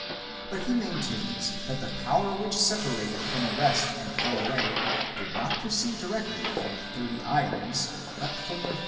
But he maintains that the power which separated from the rest, and fell away, did not proceed directly from the thirty j^ons, but from their fruits.